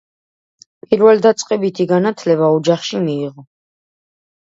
პირველდაწყებითი განათლება ოჯახში მიიღო.